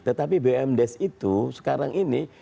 tetapi bum des itu sekarang ini